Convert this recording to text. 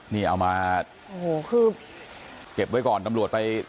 นี่เอามาโอ้โหคือเก็บไว้ก่อนตำรวจไป